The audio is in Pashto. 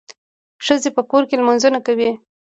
ښځي په کور کي لمونځونه کوي.